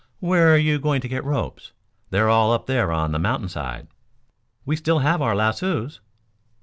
"Where are you going to get ropes? They're all up there on the mountainside." "We still have our lassoes."